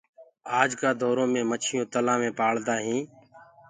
آج ڪآ دورو مي مڇيونٚ تلهآ مي پآݪدآ هينٚ